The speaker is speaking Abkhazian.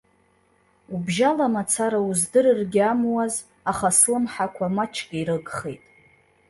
Убжьала мацара уздырыргьы амуаз, аха слымҳақәа маҷк ирыгхеит.